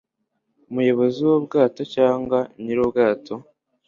umuyobozi wubwato cyangwa nyirubwato